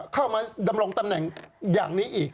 เข้ามาดำรงตำแหน่งอย่างนี้อีก